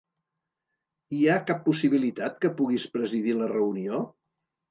Hi ha cap possibilitat que puguis presidir la reunió?